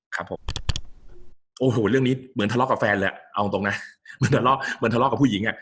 โหหหเปล่าเรื่องนี้เหมือนทะเลาะกับแฟนเลยเอาจริงเป็นทะเลาะเมื่อทะเลาะกับผู้หญิง